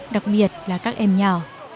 đặc biệt là các em nhỏ